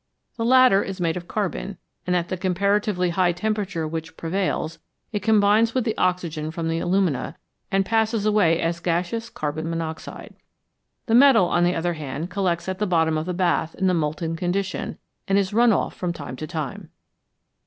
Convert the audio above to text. The latter is made of carbon, and at the comparatively high tem perature which prevails, it combines with the oxygen from the alumina, and passes away as gaseous carbon monoxide. The metal, on the other hand, collects at the bottom of the bath in the molten condition, and is run off from time to time.